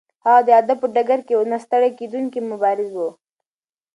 هغه د ادب په ډګر کې یو نه ستړی کېدونکی مبارز و.